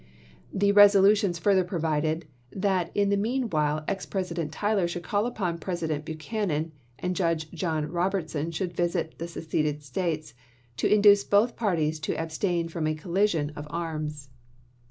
The resolutions further provided that in the mean while ex President Tyler should call upon President Chittenden, Buchanan, and Judge John Robertson should visit conven the seceded States, to induce both parties to abstain tion,"pp. „.... 9, io. irom a collision or arms.